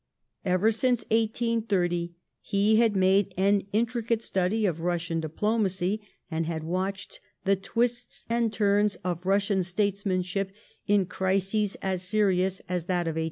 Ever since 1880 he had made an intricate study of Russian diplo macy, and had watched the twists and turns of Bussian^ statesmanship in crises as serious as that of 1840.